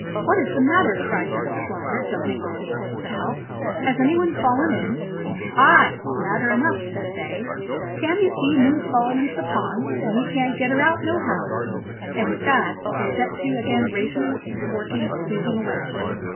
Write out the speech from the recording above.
"What is the matter?" cried young squire, jumping off his horse to help. "Has any one fallen in ?" "Aye! Matter enough," says they. "Can't ee see moon's fallen into the pond, an' we can't get her out nohow .?" And with that they set to again raking, and forking, and sweeping away.